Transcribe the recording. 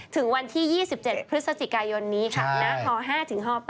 ถึงวันที่๒๗พฤศจิกายนนี้ค่ะณฮ๕ถึงฮ๘